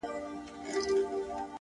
o نن مي بيا ټوله شپه ـ